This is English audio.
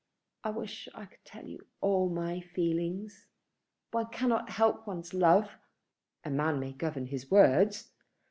I wish I could tell you all my feelings. One cannot help one's love." "A man may govern his words."